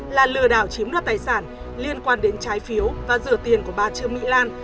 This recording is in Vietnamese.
là lừa đảo chiếm đoạt tài sản liên quan đến trái phiếu và rửa tiền của bà trương mỹ lan